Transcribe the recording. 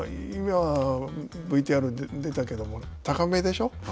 今、ＶＴＲに出たけれども高目でしょう？